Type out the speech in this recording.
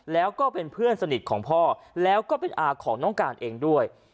แล้วก็เป็นเพื่อนสนิทของพ่อแล้วก็เป็นอาของน้องการเองด้วย